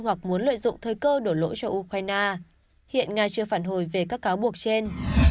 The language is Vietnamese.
hoặc muốn lợi dụng thời cơ đổ lỗi cho ukraine hiện nga chưa phản hồi về các cáo buộc trên